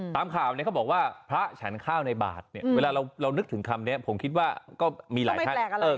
ตามข่าวเนี่ยเขาบอกว่าพระฉันข้าวในบาทเนี่ยเวลาเรานึกถึงคำนี้ผมคิดว่าก็มีหลายท่าน